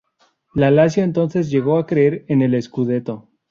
La Lazio, entonces llegó a creer en el scudetto.